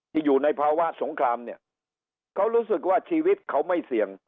อยู่ในภาวะสงครามเนี่ยเขารู้สึกว่าชีวิตเขาไม่เสี่ยง